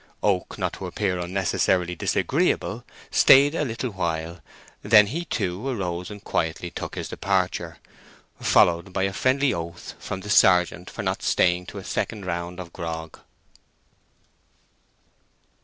Oak, not to appear unnecessarily disagreeable, stayed a little while; then he, too, arose and quietly took his departure, followed by a friendly oath from the sergeant for not staying to a second round of grog.